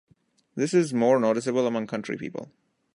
This is more noticeable among country people.